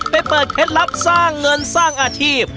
เปิดเคล็ดลับสร้างเงินสร้างอาชีพ